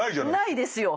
ないですよ！